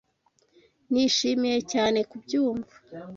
Nishimiye cyane kubyumva.